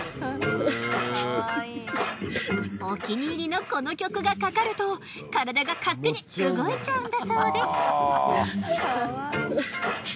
お気に入りのこの曲がかかると体が勝手に動いちゃうんだそうです。